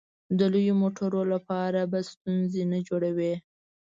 د لویو موټرو لپاره به ستونزې نه جوړوې.